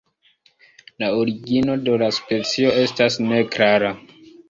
La origino de la specio estas neklara.